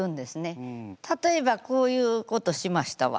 例えばこういうことしましたわ。